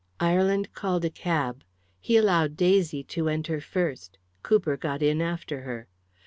Ireland called a cab. He allowed Daisy to enter first. Cooper got in after her.